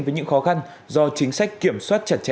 với những khó khăn do chính sách kiểm soát chặt chẽ dòng vồn